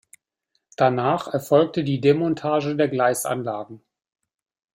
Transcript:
Danach erfolgte die Demontage der Gleisanlagen.